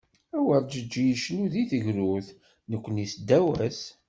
Awerǧeǧǧi icennu deg tegrurt, nekni seddaw-as.